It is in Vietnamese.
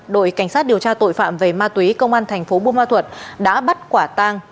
đội cảnh sát điều tra tội phạm về ma túy công an thành phố bùa ma thuật đã bắt quả tang